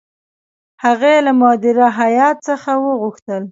هغه له مدیره هیات څخه وغوښتل.